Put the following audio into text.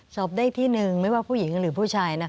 สอบได้ที่๑ไม่ว่าผู้หญิงหรือผู้ชาย